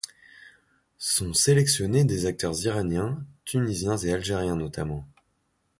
Sont sélectionnés des acteurs iraniens, tunisiens et algériens notamment.